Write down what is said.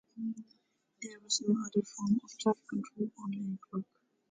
There was no other form of traffic control on the network.